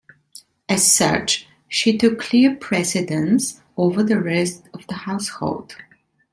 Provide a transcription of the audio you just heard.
As such, she took clear precedence over the rest of the household.